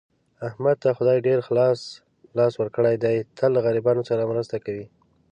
احمد ته خدای ډېر خلاص لاس ورکړی دی، تل له غریبانو سره مرسته کوي.